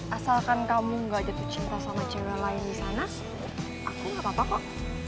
asalkan kamu gak jatuh cinta sama cewek lain disana aku gak apa apa kok